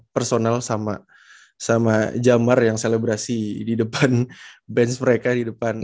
personal sama jamar yang selebrasi di depan bench mereka di depan